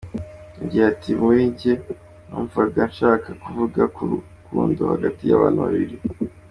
Agira ati “Muri njye numvaga nshaka kuvuga ku rukundo hagati y’abantu babiri.